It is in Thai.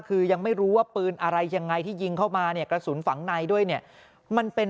คือยังไม่รู้ว่าปืนอะไรยังไงที่ยิงเข้ามาเนี่ยกระสุนฝังในด้วยเนี่ยมันเป็น